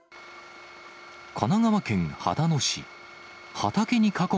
神奈川県秦野市。